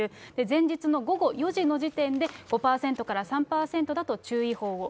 前日の午後４時の時点で、５％から３％だと注意報を、